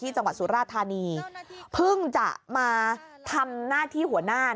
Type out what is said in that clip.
จังหวัดสุราธานีเพิ่งจะมาทำหน้าที่หัวหน้า